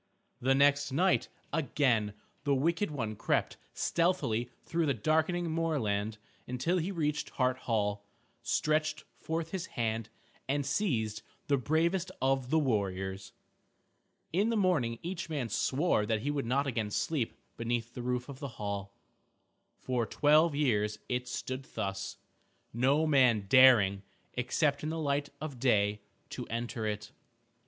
The next night, again the wicked one crept stealthily through the darkening moorland until he reached Hart Hall, stretched forth his hand, and seized the bravest of the warriors. In the morning each man swore that he would not again sleep beneath the roof of the hall. For twelve years it stood thus, no man daring, except in the light of day, to enter it.